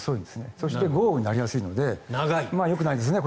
そして豪雨になりやすいのでよくないですね。